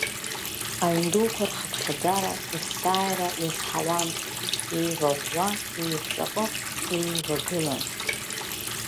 Аҩн дуқәа рхыԥхьаӡара есааира иазҳауан, еиваӷәӷәа-еивҵаҟыҟ еивагылан.